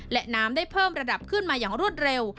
และน้ำได้เพิ่มระดับขึ้นมาอย่างรวดเร็ว